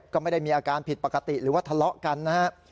ก็ไม่ได้มีอาการผิดปกติหรือว่าทะเลาะกันนะครับ